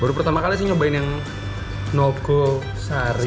baru pertama kali sih nyobain yang nogosari